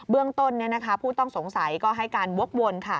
เรื่องต้นผู้ต้องสงสัยก็ให้การวกวน